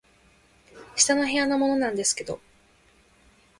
「下の部屋のものなんですけど」